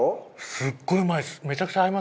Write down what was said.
すっごいうまいです。